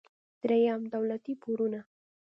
دریم: دولتي پورونه.